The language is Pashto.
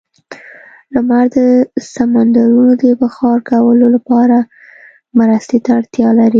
لمر د سمندرونو د بخار کولو لپاره مرستې ته اړتیا لري.